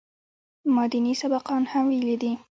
ما ديني سبقان هم ويلي دي.